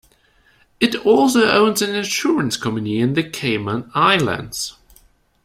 It also owns an insurance company in the Cayman Islands.